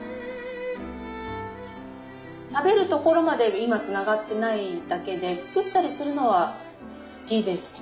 食べるところまで今つながってないだけで作ったりするのは好きですね。